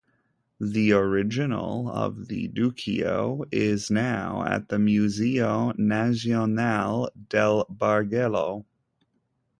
The original of the Duccio is now at the Museo Nazionale del Bargello.